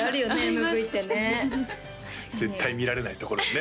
ＭＶってね絶対見られないところですね